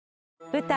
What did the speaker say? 舞台